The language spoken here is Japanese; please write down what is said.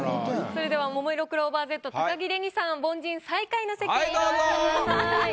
それではももいろクローバーＺ高城れにさん凡人最下位の席へ移動してください。